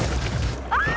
あっ！